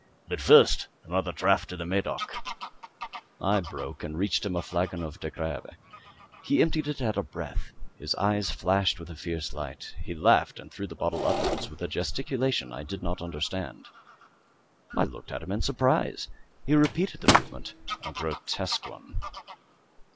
But first, another draught of the Medoc." I broke and reached him a flagon of De Grave. He emptied it at a breath. His eyes flashed with a fierce light. He laughed and threw the bottle upwards with a gesticulation I did not understand. I looked at him in surprise. He repeated the movement a grotesque one.